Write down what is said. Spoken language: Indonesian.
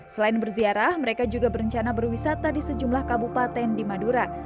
selain berziarah mereka juga berencana berwisata di sejumlah kabupaten di madura